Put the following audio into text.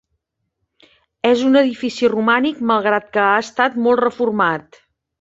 És un edifici romànic, malgrat que ha estat molt reformat.